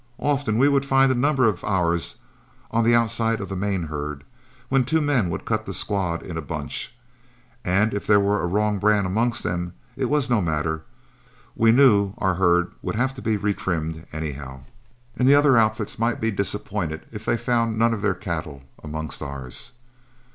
Often we would find a number of ours on the outside of the main herd, when two men would cut the squad in a bunch, and if there was a wrong brand amongst them, it was no matter, we knew our herd would have to be retrimmed anyhow, and the other outfits might be disappointed if they found none of their cattle amongst ours.